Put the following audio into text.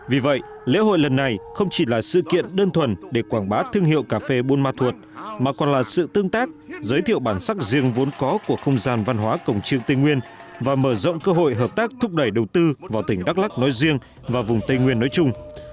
vì vậy lễ hội lần này không chỉ là sự kiện đơn thuần để quảng bá thương hiệu cà phê buôn ma thuột mà còn là sự tương tác giới thiệu bản sắc riêng vốn có của không gian văn hóa cổng trương tây nguyên và mở rộng cơ hội hợp tác thúc đẩy đầu tư vào tỉnh đắk lắc nói riêng và vùng tây nguyên nói chung